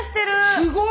すごい！